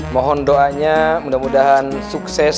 mohon doanya mudah mudahan sukses